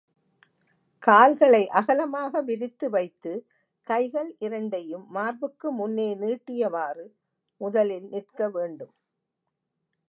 கால்களை அகலமாக விரித்து வைத்து, கைகள் இரண்டையும் மார்புக்கு முன்னே நீட்டியவாறு முதலில் நிற்க வேண்டும்.